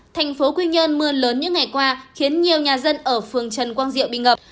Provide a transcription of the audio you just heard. thành phố quy nhơn mưa lớn những ngày qua khiến nhiều nhà dân ở phường trần quang diệu bị ngập